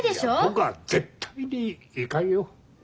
僕は絶対に行かんよ。